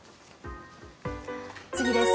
次です。